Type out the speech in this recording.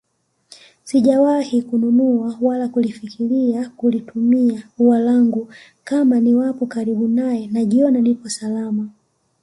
Sijawahi kununua wala kulifikilia kulituma ua langu kila niwapo karibu yake najiona nipo salama